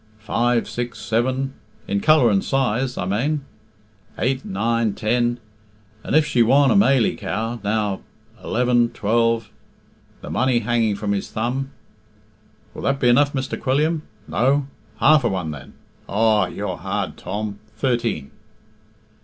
five six seven... in colour and size, I mane... eight nine ten... and if she warn a mailie cow, now... eleven twelve " (the money hanging from his thumb). "Will that be enough, Mr. Quilliam? No? Half a one, then? Aw, you're hard, Tom... thirteen."